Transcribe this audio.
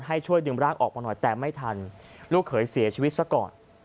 ให้ช่วยดึงร่างออกมาหน่อยแต่ไม่ทันลูกเขยเสียชีวิตซะก่อน